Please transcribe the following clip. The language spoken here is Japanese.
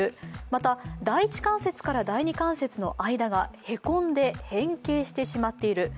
また、第一関節から第二関節の間がへこんで、変形してしまっている。